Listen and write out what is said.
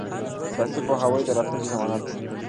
سیاسي پوهاوی د راتلونکي ضمانت دی